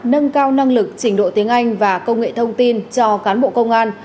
nâng cao năng lực trình độ tiếng anh và công nghệ thông tin cho cán bộ công an